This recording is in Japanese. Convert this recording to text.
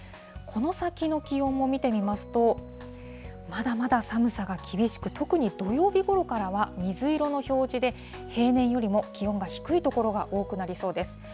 この先の気温も見てみますと、まだまだ寒さが厳しく、特に土曜日ごろからは水色の表示で、平年よりも気温が低い所が多くなりそうです。